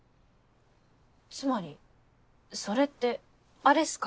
つまりそれってあれっすか？